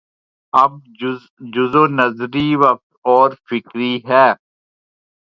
ایک جزو نظری اور فکری ہے۔